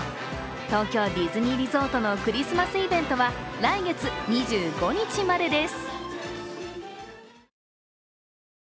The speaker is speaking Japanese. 東京ディズニーリゾートのクリスマスイベントは来月２５日までです。